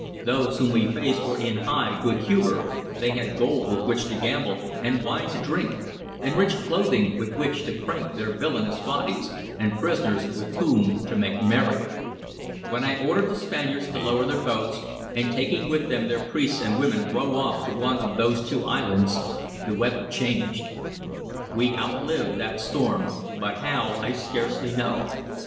Those whom we faced were in high good humor: they had gold with which to gamble, and wine to drink, and rich clothing with which to prank their villainous bodies, and prisoners with whom to make merry. When I ordered the Spaniards to lower their boats, and taking with them their priests and women row off to one of those two islands, the weather changed. We outlived that storm, but how I scarcely know.